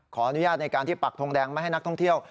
ขออนุญาตในการที่ปักทงแดงไม่ให้นักท่องเที่ยว